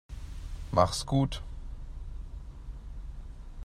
Mach's gut.